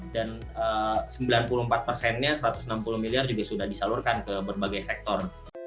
dan sembilan puluh empat persennya satu ratus enam puluh miliar juga sudah disalurkan ke berbagai sektor